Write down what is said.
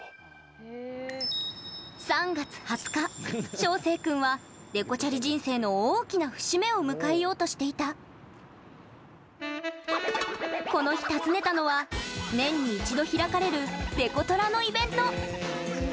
３月２０日翔星君はデコチャリ人生の大きな節目を迎えようとしていたこの日訪ねたのは年に一度開かれるデコトラのイベント。